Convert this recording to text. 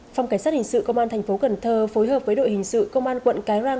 phòng cảnh sát hình sự công an thành phố cần thơ phối hợp với đội hình sự công an quận cái răng